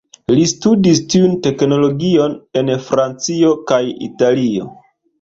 Li studis tiun teknologion en Francio kaj Italio.